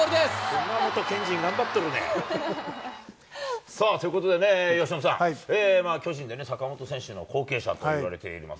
熊本県人、頑張ってるね。ということでね、由伸さん、巨人の坂本選手の後継者といわれています